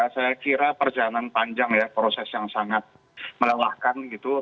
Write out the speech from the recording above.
saya kira perjalanan panjang ya proses yang sangat melelahkan gitu